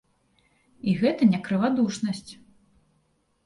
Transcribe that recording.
І гэта не крывадушнасць.